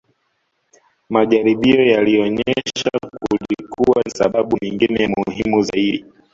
Majaribio yalionyesha kulikuwa na sababu nyingine muhimu zaidi